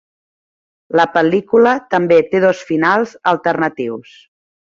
La pel·lícula també té dos finals alternatius.